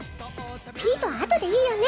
ピートは後でいいよね。